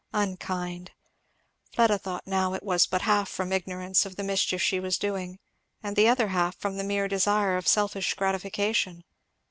Unkind. Fleda thought now it was but half from ignorance of the mischief she was doing, and the other half from the mere desire of selfish gratification.